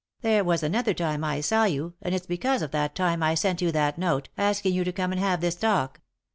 There was another time I saw yon, and it's because of that time I sent you that note, asking you to come and have this talk."